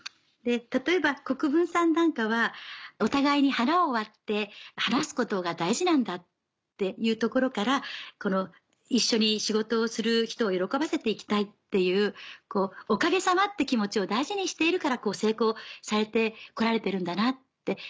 例えば国分さんなんかはお互いに腹を割って話すことが大事なんだっていうところから一緒に仕事をする人を喜ばせて行きたいっていうおかげさまって気持ちを大事にしているから成功されて来られてるんだなって。